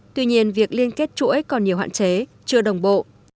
tuy nhiên việc liên kết chuỗi còn nhiều hạn chế chưa đồng bộ